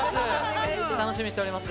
楽しみにしております。